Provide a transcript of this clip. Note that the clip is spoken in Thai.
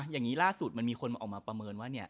อย่างนี้ล่าสุดมันมีคนออกมาประเมินว่าเนี่ย